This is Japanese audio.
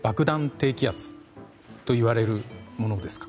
低気圧といわれるものですか？